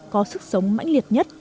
có sức sống mãnh liệt nhất